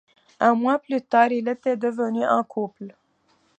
Un mois plus tard, ils étaient devenus un couple.